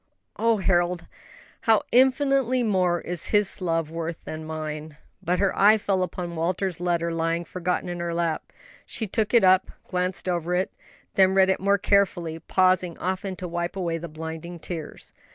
'" "And oh, Harold, how infinitely more is His love worth than mine!" But her eye fell upon Walter's letter lying forgotten in her lap. She took it up, glanced over it, then read it more carefully, pausing often to wipe away the blinding tears.